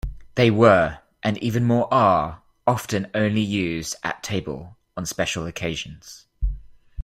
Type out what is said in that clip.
They were, and even more are, often only used at table on special occasions.